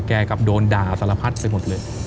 กลับโดนด่าสารพัดไปหมดเลย